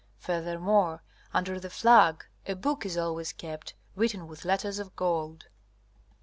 Furthermore, under the flag a book is always kept written with letters of gold.